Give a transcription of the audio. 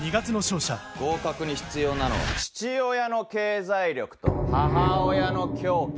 合格に必要なのは父親の経済力と母親の狂気。